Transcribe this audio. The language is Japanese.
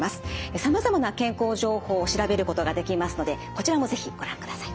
さまざまな健康情報を調べることができますのでこちらも是非ご覧ください。